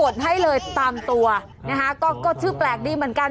ตามตัวนะฮะก็ชื่อแปลกดีเหมือนกัน